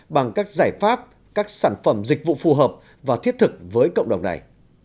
bằng các giải pháp các sản phẩm dịch vụ phù hợp và thiết thực với cộng đồng này